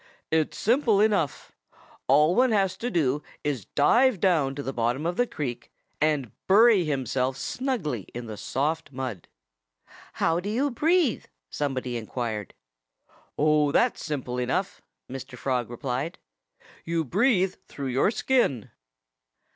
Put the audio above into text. "It's simple enough. All one has to do is to dive down to the bottom of the creek and bury himself snugly in the soft mud." "How do you breathe?" somebody inquired. "Oh, that's simple enough," Mr. Frog replied. "You breathe through your skin."